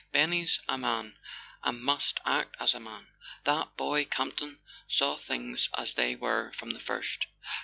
"Benny's a man, and must act as a man. That boy, Campton, saw things as they were from the first."